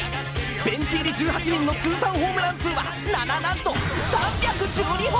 ベンチ入り１８人の通算ホームラン数はなんと３１２本。